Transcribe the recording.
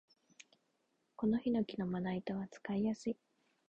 このヒノキのまな板は使いやすい